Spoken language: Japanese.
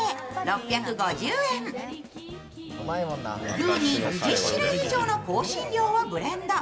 ルーに２０種類以上の香辛料をブレンド。